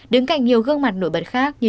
đứng cạnh nhiều gương mặt nổi bật khác như